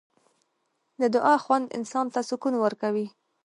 د دعا خوند انسان ته سکون ورکوي.